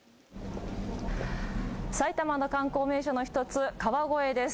埼玉の観光名所の１つ、川越です。